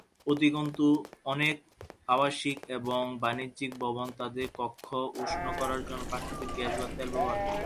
অধিকন্তু, অনেক আবাসিক এবং বাণিজ্যিক ভবন তাদের কক্ষ উষ্ণ করার জন্য প্রাকৃতিক গ্যাস বা তেল ব্যবহার করে।